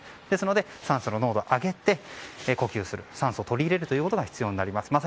ですので、酸素の濃度を上げて呼吸する、酸素を取り入れるということが必要になります。